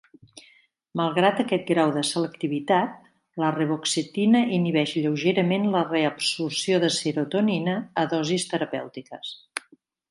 Malgrat aquest grau de selectivitat, la reboxetina inhibeix lleugerament la reabsorció de serotonina a dosis terapèutiques.